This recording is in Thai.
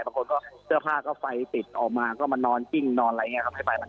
บางคนก็เสื้อผ้าก็ไฟติดออกมาก็มานอนกิ้งนอนอะไรอย่างนี้ครับให้ไฟมัน